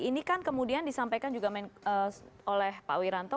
ini kan kemudian disampaikan juga oleh pak wiranto